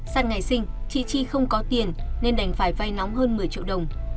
sát ngày sinh chị tri không có tiền nên đành phải vai nóng hơn một mươi triệu đồng